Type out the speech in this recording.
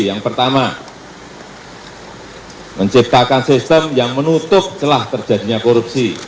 yang pertama menciptakan sistem yang menutup celah terjadinya korupsi